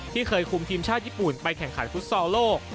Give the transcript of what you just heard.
เคยคุมทีมชาติญี่ปุ่นไปแข่งขันฟุตซอลโลก